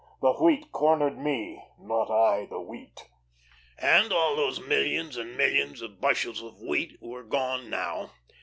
The wheat cornered me, not I the wheat." And all those millions and millions of bushels of Wheat were gone now.